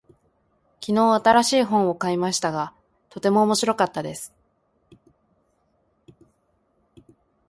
昨日、新しい本を買いましたが、とても面白かったです。